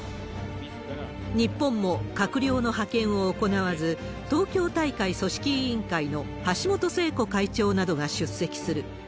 日本も閣僚の派遣を行わず、東京大会組織委員会の橋本聖子会長などが出席する。